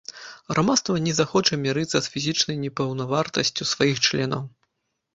Грамадства не захоча мірыцца з фізічнай непаўнавартаснасцю сваіх членаў.